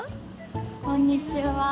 こんにちは。